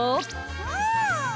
うん！